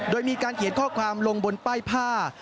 โดยมีการเขียนข้อความลงบนป้ายผ้า